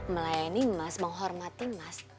melayani mas menghormati mas